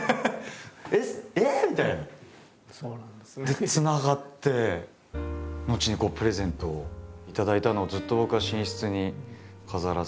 でつながって後にプレゼントを頂いたのをずっと僕は寝室に飾らせて。